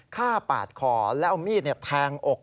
ฆ่าปาดคอแล้วเอามีดแทงอก